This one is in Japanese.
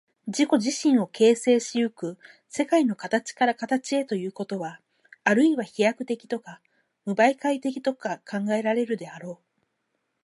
自己自身を形成し行く世界の形から形へということは、あるいは飛躍的とか無媒介的とか考えられるであろう。